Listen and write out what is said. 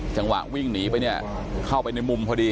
จังหวะวิ่งหนีไปเนี่ยเข้าไปในมุมพอดี